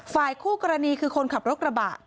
ฝ่ายคู่กรณีคือคนขับรถกระบะ